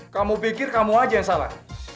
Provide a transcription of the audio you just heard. kamu pikir kamu aja yang salah